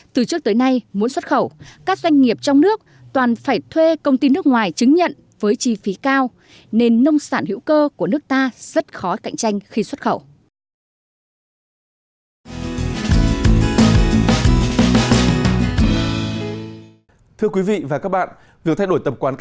từ trước tới nay muốn xuất khẩu các doanh nghiệp trong nước toàn phải thuê công ty nước ngoài chứng nhận với chi phí cao nên nông sản hữu cơ của nước ta rất khó cạnh tranh khi xuất khẩu